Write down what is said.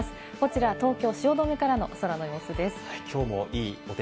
こちら、東京・汐留からの空の様子です。